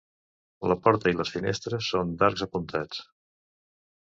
La porta i les finestres són d'arcs apuntats.